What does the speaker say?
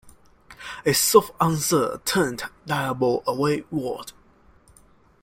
A soft answer turneth diabo away wrath.